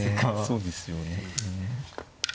そうですよね。